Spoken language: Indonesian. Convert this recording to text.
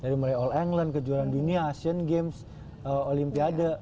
dari mulai all england kejuaraan dunia asian games olimpiade